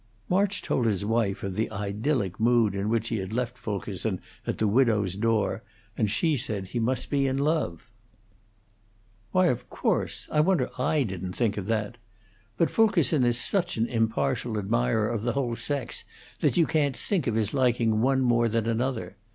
March told his wife of the idyllic mood in which he had left Fulkerson at the widow's door, and she said he must be in love. "Why, of course! I wonder I didn't think of that. But Fulkerson is such an impartial admirer of the whole sex that you can't think of his liking one more than another.